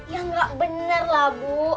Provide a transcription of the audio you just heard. ya gak bener lah bu